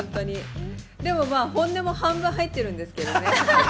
でも本音も半分入っているんですけどね。